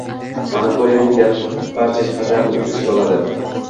monopoliyaning deyarlik barcha jihatlarini o‘z ichiga oldi